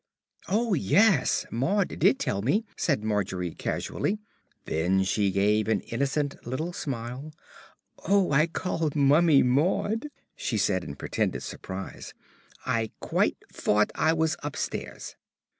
"Oh, yes, Maud did tell me," said Margery casually. Then she gave an innocent little smile. "Oh, I called Mummy Maud," she said in pretended surprise. "I quite fought I was upstairs!"